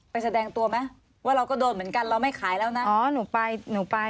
ไปแสดงตัวไหมว่าเราก็โดนเหมือนกันเราไม่ขายแล้วนะ